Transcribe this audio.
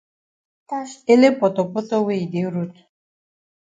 Ele potopoto wey yi dey road.